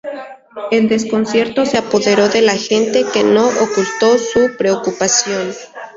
El desconcierto se apoderó de la gente, que no ocultó su preocupación.